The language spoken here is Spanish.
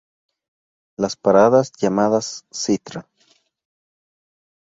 Las paradas llamadas "Ctra.